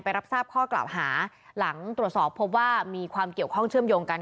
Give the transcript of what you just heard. รับทราบข้อกล่าวหาหลังตรวจสอบพบว่ามีความเกี่ยวข้องเชื่อมโยงกัน